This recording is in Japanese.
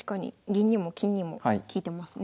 銀にも金にも利いてますね。